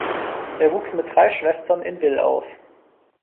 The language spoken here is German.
Er wuchs mit drei Schwestern in Wil auf.